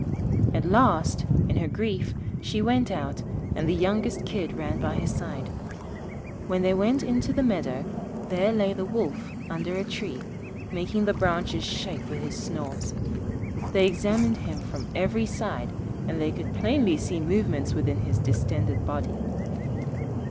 At last, in her grief, she went out, and the youngest Kid ran by her side. When they went into the meadow, there lay the Wolf under a tree, making the branches shake with his snores. They examined him from every side, and they could plainly see movements within his distended body.